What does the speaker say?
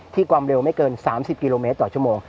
ความเร็วไม่เกิน๓๐กิโลเมตรต่อชั่วโมง